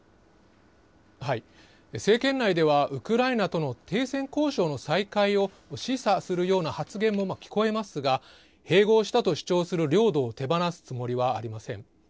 政権内では、ウクライナとの停戦交渉の再開を示唆するような発言も聞こえますが、併合したと主張する領土を手放すつもりはありません。